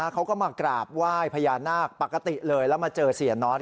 เขาก็มากราบไหว้พญานาคปกติเลยแล้วมาเจอเสียน้อย